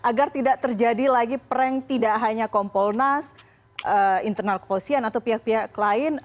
agar tidak terjadi lagi prank tidak hanya kompolnas internal kepolisian atau pihak pihak lain